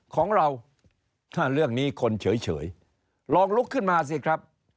ของเราถ้าเรื่องนี้คนเฉยลองลุกขึ้นมาสิครับ